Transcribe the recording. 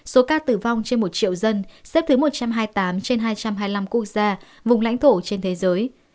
số ca tử vong trên một triệu dân xếp thứ một trăm hai mươi tám trên hai trăm hai mươi năm quốc gia vùng lãnh thổ trên thế giới